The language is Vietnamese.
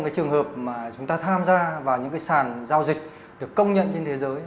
trường hợp mà chúng ta tham gia vào những sàn giao dịch được công nhận trên thế giới